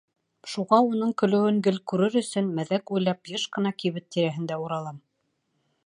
Шуға уның көлөүен гел күрер өсөн, мәҙәк уйлап, йыш ҡына кибет тирәһендә уралам.